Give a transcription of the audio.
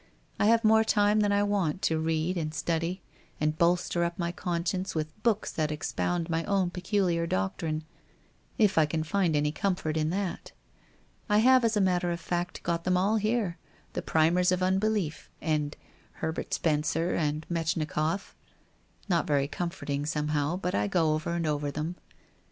I have more time than I want to read and study, and bolster up my con science with the books that expound my own peculiar doc trine, if I can find any comfort in that. I have as a matter of fact got them all here, the primers of unbelief, and Herbert Spencer, and Metchnikoff — not very comfort ing, somehow, but I go over and over them.